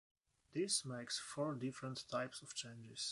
This makes four different types of changes.